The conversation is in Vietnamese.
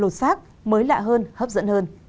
sự lột xác mới lạ hơn hấp dẫn hơn